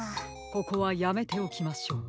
ここはやめておきましょう。